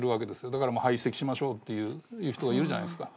だから、排斥しましょうっていう人がいるじゃないですか。